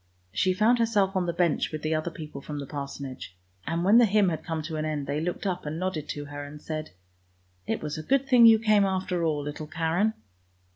She found herself on the bench with the other people from the Parsonage. And when the hymn had come to an end they looked up and nodded to her and said, " it was a good thing you came after all, little Karen!